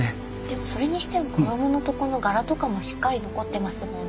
でもそれにしても衣のとこの柄とかもしっかり残ってますもんね。